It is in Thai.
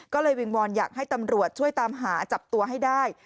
ก็เลยวิงวอนอยากให้ตำรวจช่วยตามหาจับตัวให้ได้